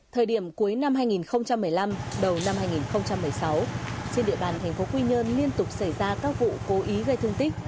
thời điểm cuối năm hai nghìn một mươi năm đầu năm hai nghìn một mươi sáu trên địa bàn thành phố quy nhơn liên tục xảy ra các vụ cố ý gây thương tích